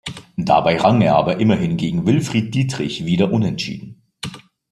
Dabei rang er aber immerhin gegen Wilfried Dietrich wieder unentschieden.